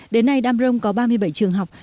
đến nay đam rông có ba mươi bảy trường học